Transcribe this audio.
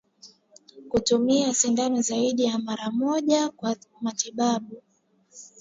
Kutumia sindano zaidi ya mara moja kwa matibabu